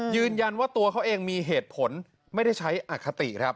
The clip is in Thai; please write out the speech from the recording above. ยืนยันว่าตัวเขาเองมีเหตุผลไม่ได้ใช้อคติครับ